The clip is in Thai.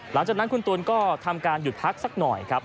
หลังจากนั้นคุณตูนก็ทำการหยุดพักสักหน่อยครับ